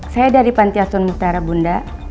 saya dari pantiasun mutara bunda